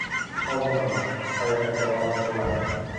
Һаумыһығыҙ, ҡәҙерле дауаланыусылар!